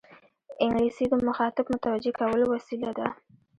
انګلیسي د مخاطب متوجه کولو وسیله ده